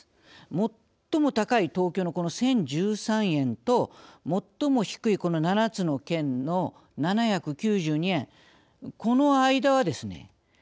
最も高い、この１０１３円と最も低いこの７つの県の７９２円この間はですね。